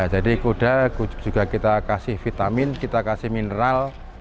jadi kuda juga kita kasih vitamin kita kasih mineral